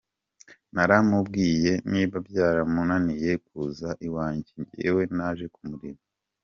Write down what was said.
Naramubwiye, niba byaramunaniye kuza iwanjye, njyewe naje kumureba.